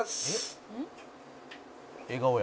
「笑顔や。